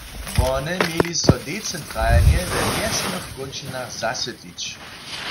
Wone měli so decentralnje we wjesnych kónčinach zasydlić.